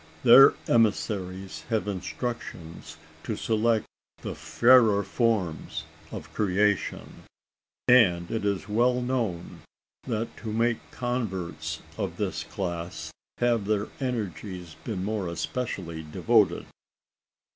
Their emissaries have instructions to select the fairer forms of creation; and it is well known that to making converts of this class, have their energies been more especially devoted.